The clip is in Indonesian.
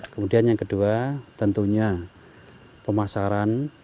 kemudian yang kedua tentunya pemasaran